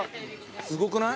すごくない？